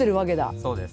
そうです。